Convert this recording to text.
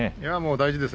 大事です。